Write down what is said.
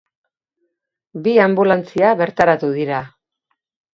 Bi anbulantzia bertaratu dira.